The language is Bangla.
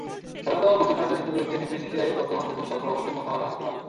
স্বাধীনতা পরিষদ প্যানেলের নেতৃত্ব দিচ্ছেন এফবিসিসিআইর বর্তমান প্রথম সহসভাপতি মনোয়ারা হাকিম আলী।